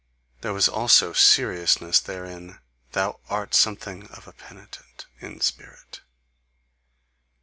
There was also SERIOUSNESS therein, thou ART something of a penitent in spirit!